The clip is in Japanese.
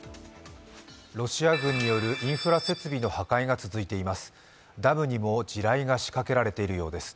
ロシア軍によるインフラ設備の破壊が続いています。